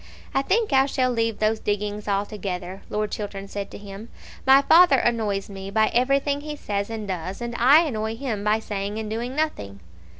"I think I shall leave those diggings altogether," Lord Chiltern said to him. "My father annoys me by everything he says and does, and I annoy him by saying and doing nothing."